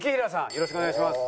よろしくお願いします。